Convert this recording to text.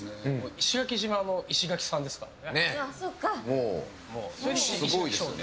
石垣島の石垣さんですもんね。